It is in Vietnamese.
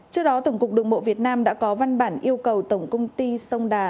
trước đó tổng cục đường bộ việt nam đã có văn bản yêu cầu tổng công ty sông đà